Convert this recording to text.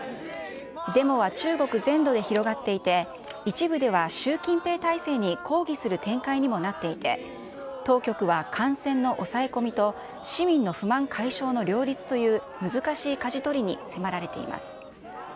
デモは中国全土で広がっていて、一部では、習近平体制に抗議する展開にもなっていて、当局は感染の抑え込みと、市民の不満解消の両立という、難しいかじ取りに迫られています。